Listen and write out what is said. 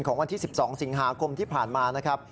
วันที่๑๒สิงหาคมที่ผ่านมานะครับ